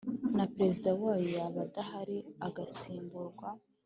na Perezida wayo yaba adahari agasimburwa